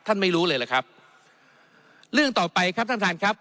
ท่านไม่รู้เลยหรอกครับ